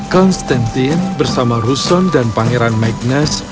konstantin bersama rouson dan pangeran magnus